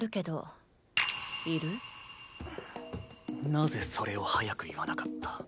なぜそれを早く言わなかった？